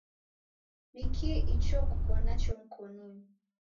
Nikii icho kuko nacho mkonunyi?